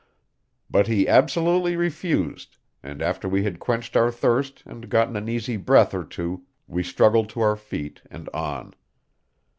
But he absolutely refused, and after we had quenched our thirst and gotten an easy breath or two we struggled to our feet and on.